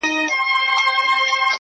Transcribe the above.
o زه درته دعا سهار ماښام كوم.